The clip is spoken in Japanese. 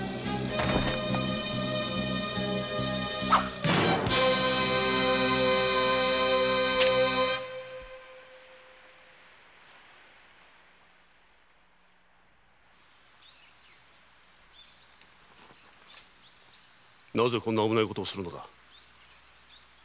なぜこんな危ないことをするのだ。